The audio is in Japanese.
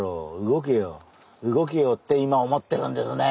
動けよ。動けよ」。って今思ってるんですね